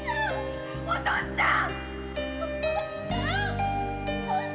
〔お父っつぁん！